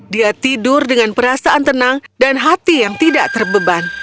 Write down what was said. dia tidur dengan perasaan tenang dan hati yang tidak terbeban